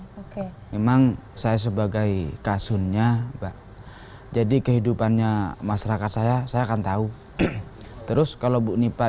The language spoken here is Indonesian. memang saya sebagai kasunnya mbak jadi kehidupannya masyarakat saya saya akan tahu terus kalau bu nipa